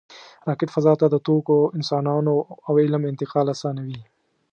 راکټ فضا ته د توکو، انسانانو او علم انتقال آسانوي